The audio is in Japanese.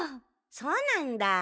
そうなんだ。